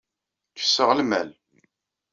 Kesseɣ lmal.